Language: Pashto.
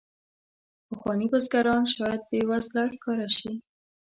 پخواني بزګران شاید بې وزله ښکاره شي.